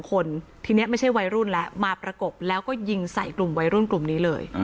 คนทีนี้ไม่ใช่วัยรุ่นแล้วมาประกบแล้วก็ยิงใส่กลุ่มวัยรุ่นกลุ่มนี้เลย